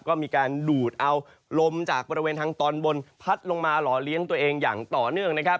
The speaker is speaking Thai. ก็มีการดูดเอาลมจากบริเวณทางตอนบนพัดลงมาหล่อเลี้ยงตัวเองอย่างต่อเนื่องนะครับ